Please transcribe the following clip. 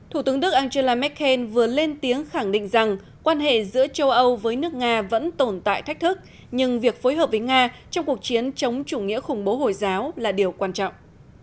thủ tướng đức angela merkel vừa lên tiếng khẳng định rằng quan hệ giữa châu âu với nước nga vẫn tồn tại thách thức nhưng việc phối hợp với nga trong cuộc chiến chống chủ nghĩa khủng bố hồi giáo là điều quan trọng